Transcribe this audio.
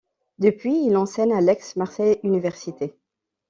Depuis il enseigne à l'Aix-Marseille Université.